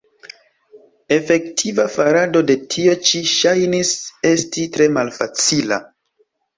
Efektiva farado de tio ĉi ŝajnis esti tre malfacila.